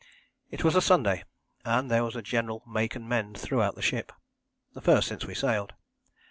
It was a Sunday, and there was a general 'make and mend' throughout the ship, the first since we sailed.